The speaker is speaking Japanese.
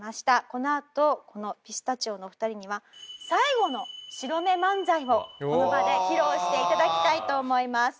このあとこのピスタチオのお二人には最後の白目漫才をこの場で披露していただきたいと思います。